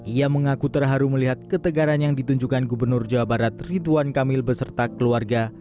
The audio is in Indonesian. ia mengaku terharu melihat ketegaran yang ditunjukkan gubernur jawa barat rituan kamil beserta keluarga